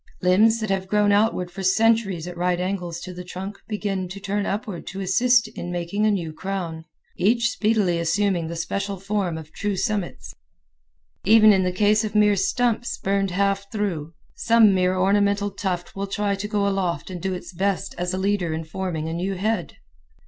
Limbs that have grown outward for centuries at right angles to the trunk begin to turn upward to assist in making a new crown, each speedily assuming the special form of true summits. Even in the case of mere stumps, burned half through, some mere ornamental tuft will try to go aloft and do its best as a leader in forming a new head.